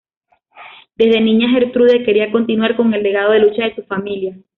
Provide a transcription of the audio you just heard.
Desde niña Gertrude quería continuar con el legado de lucha de su familia.